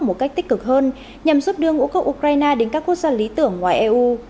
một cách tích cực hơn nhằm giúp đưa ngũ cốc ukraine đến các quốc gia lý tưởng ngoài eu